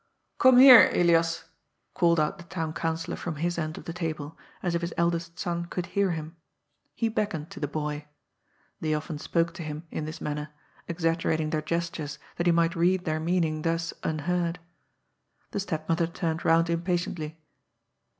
" Come here, Elias," called out the Town Councillor from his end of the table, as if his eldest son could hear him. He beckoned to the boy. They often spoke to him in 32 GOD'S FOOL. this manner, exaggerating their gestures that he might read their meaning thus unheard. The stepmother turned round impatiently.